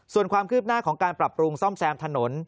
ส่วนความคืบหน้าของการปรับปรุงซ่อมแซมถนน